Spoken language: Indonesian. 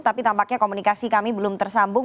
tapi tampaknya komunikasi kami belum tersambung